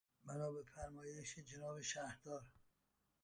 بنا به فرمایش جناب شهردار